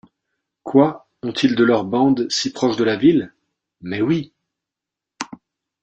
Quoi ! ont-ils de leurs bandes si proches de la ville ? Mais oui.